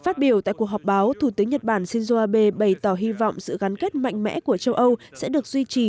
phát biểu tại cuộc họp báo thủ tướng nhật bản shinzo abe bày tỏ hy vọng sự gắn kết mạnh mẽ của châu âu sẽ được duy trì